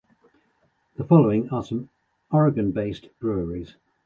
The following are some Oregon-based breweries.